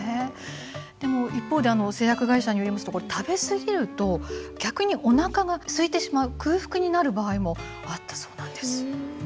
でも一方で製薬会社によりますとこれ食べ過ぎると逆におなかがすいてしまう空腹になる場合もあったそうなんです。